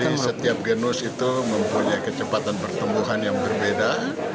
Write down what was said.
jadi setiap genus itu mempunyai kecepatan pertumbuhan yang berbeda